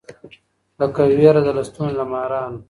لکه وېره د لستوڼي له مارانو